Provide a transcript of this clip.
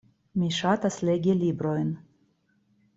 Mi ŝatas legi librojn.